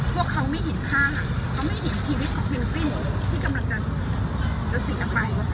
พวกเขาไม่เห็นข้างเขาไม่เห็นชีวิตของเพนกวินที่กำลังจะเสียไป